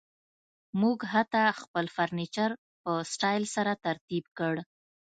موږ حتی خپل فرنیچر په سټایل سره ترتیب کړ